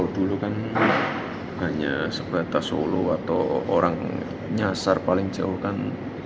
dulu kan hanya sebatas solo atau orang nyasar paling jauh kan